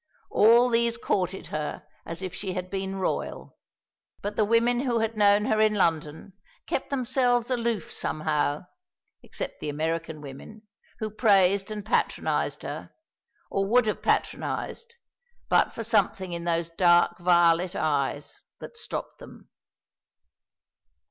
All these courted her as if she had been royal; but the women who had known her in London kept themselves aloof somehow, except the American women, who praised and patronised her, or would have patronised, but for something in those dark violet eyes that stopped them.